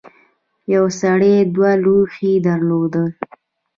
یو سړي دوه لوښي درلودل.